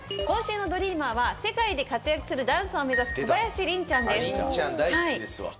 今週のドリーマーは世界で活躍するダンサーを目指す小林凛ちゃんです。